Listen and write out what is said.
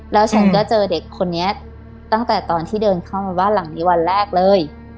แล้วฉันก็เจอเด็กคนนี้ตั้งแต่ตอนที่เดินเข้ามาบ้านหลังนี้วันแรกเลย